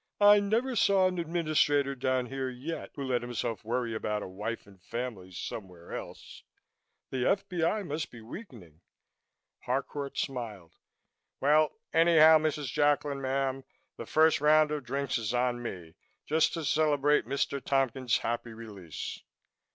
"I never saw an administrator down here yet who let himself worry about a wife and family somewhere else. The F.B.I. must be weakening." Harcourt smiled. "Well, anyhow, Mrs. Jacklin, ma'm, the first round of drinks is on me just to celebrate Mr. Tompkins' happy release."